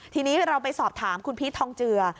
ทีนี้เราไปสอบถามคุณพีชทองเจือ